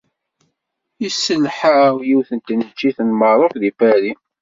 Yesselḥaw yiwet n tneččit n Merruk deg Paris.